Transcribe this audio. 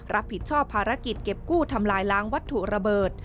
รับผิดชอบภารกิจเก็บกู้ทำลายล้างวัตถุระเบิด